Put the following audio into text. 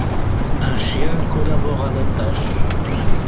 Un chien collabore à la tâche.